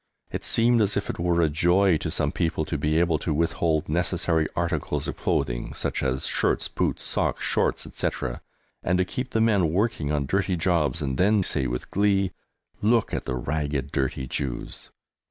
It seemed as if it were a joy to some people to be able to withhold necessary articles of clothing, such as shirts, boots, socks, shorts, etc., and keep the men working on dirty jobs, and then say with glee, "Look at the ragged dirty Jews."